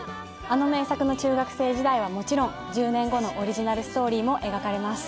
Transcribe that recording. あの名作の中学生時代はもちろん１０年後のオリジナルストーリーも描かれます。